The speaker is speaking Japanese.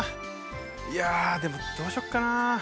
いやでもどうしよっかな？